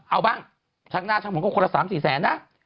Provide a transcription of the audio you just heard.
เอาบ้างช่างหน้าช่างผมก็คนละ๓๔แสนนะ